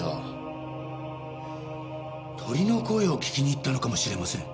鳥の声を聞きに行ったのかもしれません。